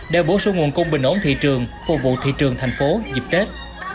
để bổ sung nguồn cung bình ổn thị trường phục vụ thị trường thành phố dịp tết